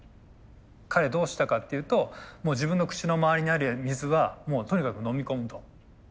彼どうしたかっていうともう自分の口の周りにある水はとにかく飲み込むと。